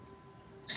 apakah itu berhasil